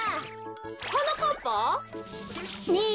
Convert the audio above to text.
はなかっぱ？ねえ